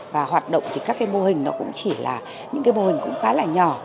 và hoạt động thì các cái mô hình nó cũng chỉ là những cái mô hình cũng khá là nhỏ